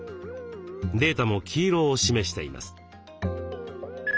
データも黄色を示しています。